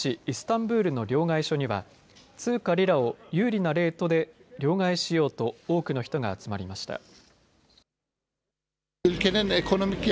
イスタンブールの両替所には通貨リラを有利なレートで両替しようと多くの人が集まりました。